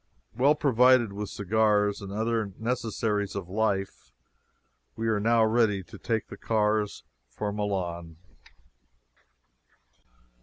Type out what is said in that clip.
Well provided with cigars and other necessaries of life, we are now ready to take the cars for Milan.